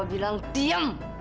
gue bilang diam